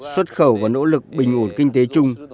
xuất khẩu và nỗ lực bình ổn kinh tế chung